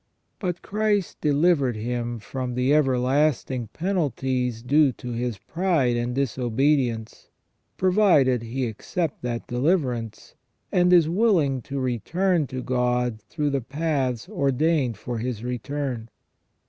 But Christ delivered him from the everlasting penalties due to his pride and disobedience, provided he accept that deliverance, and is willing to return to God through the paths ordained for his return.